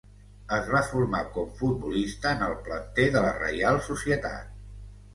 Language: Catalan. Es va formar com futbolista en el planter de la Reial Societat.